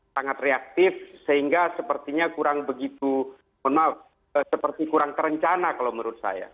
sangat reaktif sehingga sepertinya kurang begitu mohon maaf seperti kurang terencana kalau menurut saya